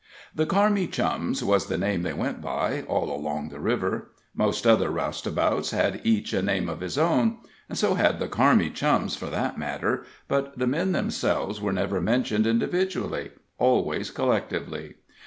The Carmi Chums was the name they went by all along the river. Most other roustabouts had each a name of his own; so had the Carmi Chums for that matter, but the men themselves were never mentioned individually always collectively.